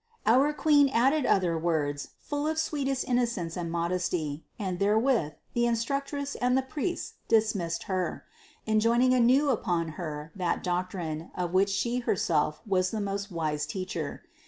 706. Our Queen added other words full of sweetest innocence and modesty; and therewith the instructress and the priests dismissed Her, enjoining anew upon Her that doctrine, of which She herself was the most wise Teacher.